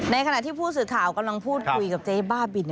ขณะที่ผู้สื่อข่าวกำลังพูดคุยกับเจ๊บ้าบิน